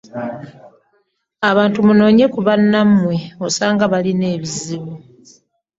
Abantu munoonye ku bannammwe osanga balina ebizibu.